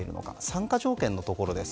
参加条件のところです。